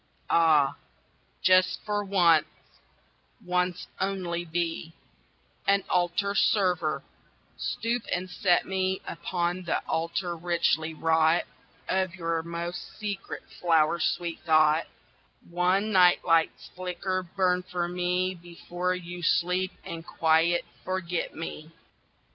Ah, just for once, once only, be An altar server stoop and set me Upon the altar richly wrought Of your most secret flower sweet thought: One nightlight's flicker burn for me Before you sleep and quite forget me.